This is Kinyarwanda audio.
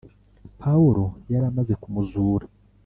Pawulo yari amaze kumuzura